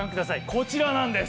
こちらなんです。